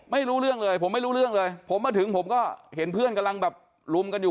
ไม่รู้เรื่องเลยผมไม่รู้เรื่องเลยผมมาถึงผมก็เห็นเพื่อนกำลังแบบลุมกันอยู่